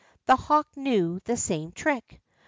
The hawk knew the same trick.